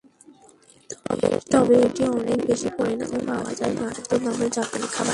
তবে এটি অনেক বেশি পরিমাণে পাওয়া যায় নাত্তো নামের জাপানি খাবারে।